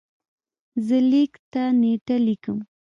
زه لیک ته نېټه لیکم.